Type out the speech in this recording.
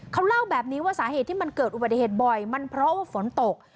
เขาเล่าแบบนี้ว่าสาเหตุที่มันเกิดอุบัติเหตุบ่อยมันเพราะว่าฝนตก